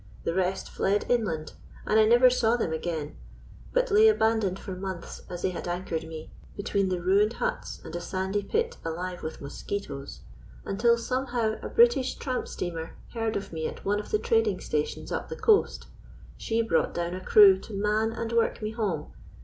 The rest fled inland, and I never saw them again, but lay abandoned for months as they had anchored me, between the ruined huts and a sandy spit alive with mosquitoes until somehow a British tramp steamer heard of me at one of the trading stations up the coast. She brought down a crew to man and work me home.